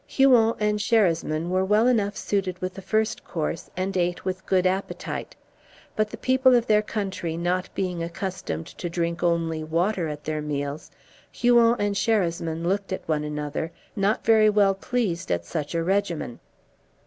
Huon and Sherasmin were well enough suited with the first course and ate with good appetite; but the people of their country not being accustomed to drink only water at their meals, Huon and Sherasmin looked at one another, not very well pleased at such a regimen.